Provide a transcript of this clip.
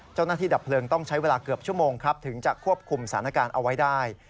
ดับเพลิงต้องใช้เวลาเกือบชั่วโมงครับถึงจะควบคุมสถานการณ์เอาไว้ได้